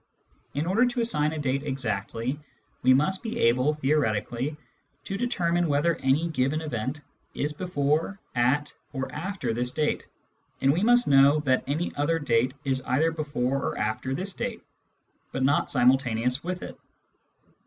In order to assign a date exactly, we must be able, theoretically, to determine whether any given event is before, at, or after this date, and we must know that any other date is either before or after this date, but not simultaneous with it.